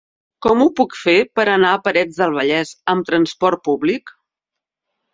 Com ho puc fer per anar a Parets del Vallès amb trasport públic?